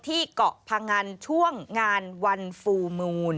เกาะพังอันช่วงงานวันฟูลมูล